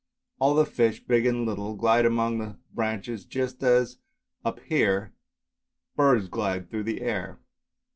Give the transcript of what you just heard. All the fish, big and little, glide among the branches just as, up here, birds glide through the air.